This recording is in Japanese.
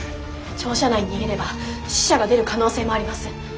庁舎内に逃げれば死者が出る可能性もあります。